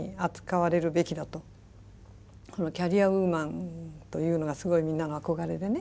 キャリアウーマンというのがすごいみんなの憧れでね。